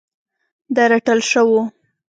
د رټل شوو